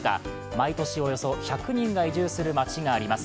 毎年およそ１００人が移住する町があります。